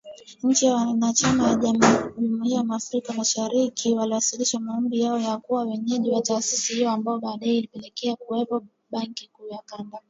Nchi wanachama wa Jumuiya ya Afrika Mashariki waliwasilisha maombi yao ya kuwa mwenyeji wa taasisi hiyo ambayo baadae itapelekea kuwepo Benki Kuu ya kanda.